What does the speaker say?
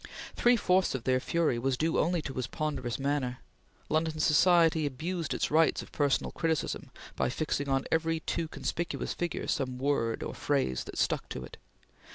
Three fourths of their fury was due only to his ponderous manner. London society abused its rights of personal criticism by fixing on every too conspicuous figure some word or phrase that stuck to it.